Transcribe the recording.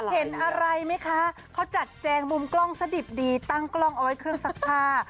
เห็นอะไรไหมคะเขาจัดแจงมุมกล้องสดิบดีตั้งกล้องเอาไว้เครื่องซักผ้า